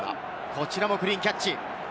こちらもクリーンキャッチ。